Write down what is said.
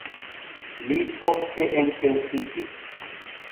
Li ofte enpensiĝis.